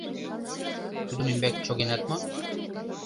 — Тудын ӱмбак чогенат мо?